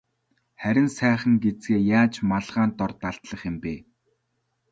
Харин сайхан гэзгээ яаж малгайн дор далдлах юм бэ?